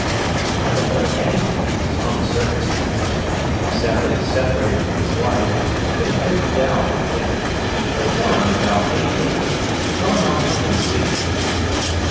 "I don't know anything of his home circumstances, except that he's separated from his wife and has been a bit down, I believe. But tell him about me, will you? Tell him I'll come and see him."